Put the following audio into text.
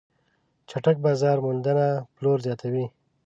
چټک بازار موندنه پلور زیاتوي.